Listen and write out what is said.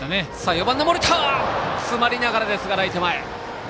４番、森田詰まりながらですがライト前。